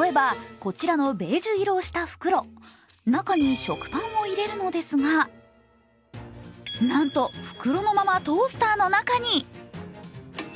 例えばこちらのベージュ色をした袋中に食パンを入れるのですがなんと、袋のままトースターの中に。